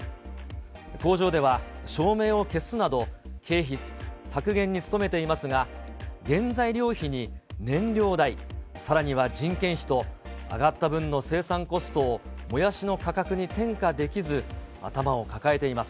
工場では、照明を消すなど経費削減に努めていますが、原材料費に燃料代、さらには人件費と、上がった分の生産コストをもやしの価格に転嫁できず、頭を抱えています。